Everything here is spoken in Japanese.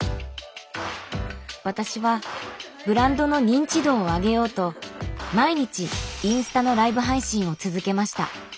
私はブランドの認知度を上げようと毎日インスタのライブ配信を続けました。